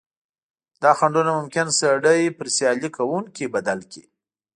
دا خنډونه ممکن سړی پر سیالي کوونکي بدل کړي.